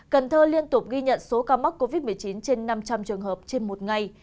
cần thơ liên tục ghi nhận số ca mắc covid một mươi chín trên năm trăm linh trường hợp trên một ngày